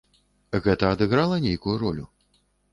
Гэта адыграла нейкую ролю?